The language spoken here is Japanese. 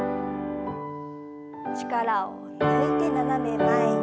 力を抜いて斜め前に。